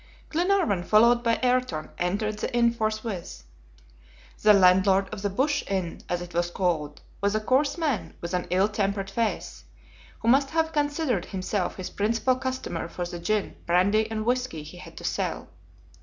Glenarvan, followed by Ayrton, entered the inn forthwith. The landlord of the "Bush Inn," as it was called, was a coarse man with an ill tempered face, who must have considered himself his principal customer for the gin, brandy and whisky he had to sell.